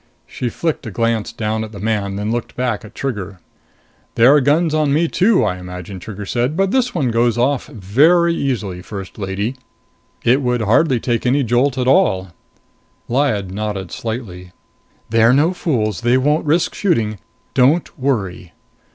She flicked a glance down at the man, then looked back at Trigger. "There're guns on me too, I imagine," Trigger said. "But this one goes off very easily, First Lady! It would take hardly any jolt at all." Lyad nodded slightly. "They're no fools! They won't risk shooting. Don't worry."